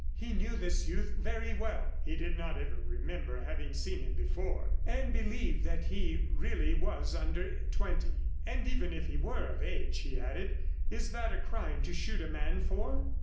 He knew this youth very well (he did not ever remember having seen him before) and believed that he really was under twenty. "And even if he were of age," he added, "is that a crime to shoot a man for?"